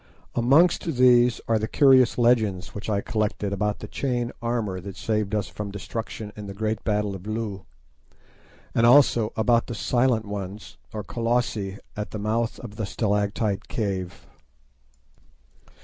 Amongst these are the curious legends which I collected about the chain armour that saved us from destruction in the great battle of Loo, and also about the "Silent Ones" or Colossi at the mouth of the stalactite cave.